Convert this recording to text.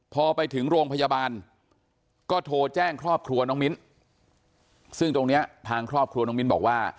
พอไปถึงโรงพยาบาลก็โทรแจ้งครอบครัวน้องมิ้นซึ่งตรงนี้ทางครอบครัวน้องมิ้นบอกว่า